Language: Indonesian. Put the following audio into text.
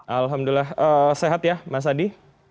alhamdulillah sehat ya mas adi